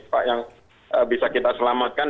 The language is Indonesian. pak yang bisa kita selamatkan